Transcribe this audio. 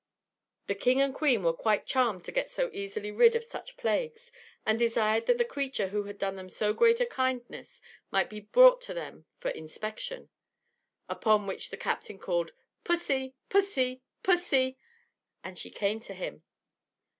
The King and Queen were quite charmed to get so easily rid of such plagues, and desired that the creature who had done them so great a kindness might be brought to them for inspection. Upon which the captain called: "Pussy, pussy, pussy!" and she came to him.